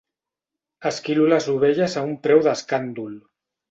Esquilo les ovelles a un preu d'escàndol.